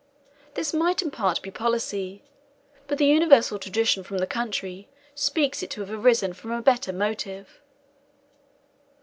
This might in part be policy; but the universal tradition of the country speaks it to have arisen from a better motive.